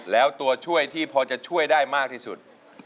แล้วตัวช่วยที่พอจะช่วยได้มากที่สุด